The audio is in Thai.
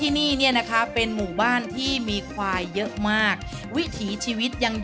อันนี้เป็นความสามารถของน้อย